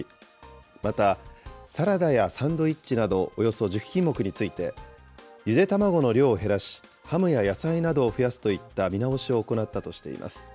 また、サラダやサンドイッチなどおよそ１０品目について、ゆで卵の量を減らし、ハムや野菜などを増やすといった見直しを行ったとしています。